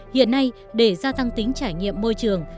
hiện nay để gia tăng tính trải nghiệm môi trường